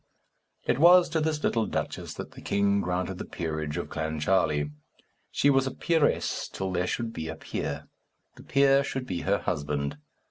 It was to this little duchess that the king granted the peerage of Clancharlie. She was a peeress till there should be a peer; the peer should be her husband.